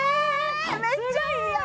めっちゃいいやん！